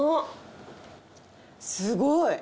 すごい。